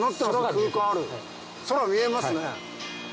空見えますね。